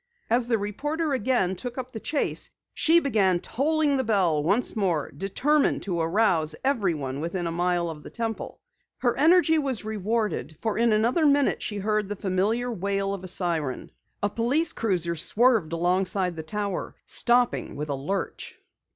As the reporter again took up the chase, she began tolling the bell once more, determined to arouse everyone within a mile of the Temple. Her energy was rewarded, for in another minute she heard the familiar wail of a siren. A police cruiser swerved alongside the tower, stopping with a lurch.